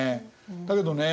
だけどね